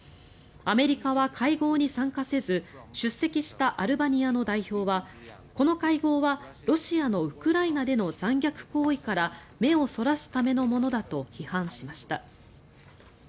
アメリカは会合に参加せず出席したアルバニアの代表はこの会合はロシアのウクライナでの残虐行為から目をそらすためのものだと批判しました。